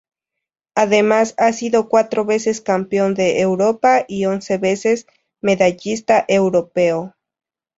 Además ha sido cuatro veces campeón de Europa y once veces medallista europeo.